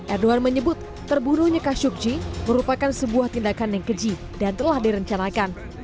erdogan menyebut terbunuhnya khashoggi merupakan sebuah tindakan yang keji dan telah direncanakan